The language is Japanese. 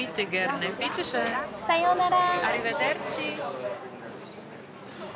さようなら。